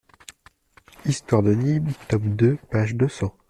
Histoire de Nîmes, tome deux, page deux cents.